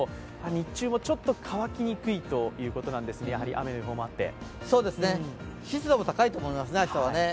日中もちょっと乾きにくいということなんですが、雨の予報もあって明日は湿度も高いと思いますね。